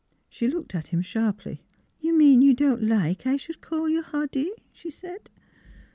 She looked at him sharply. " You mean you don't like I should call you Hoddy?" she said.